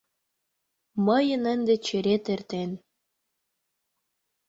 — Мыйын ынде черет эртен.